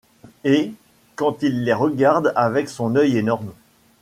Et, quand il les regarde avec son œil énorme